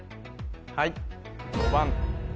はい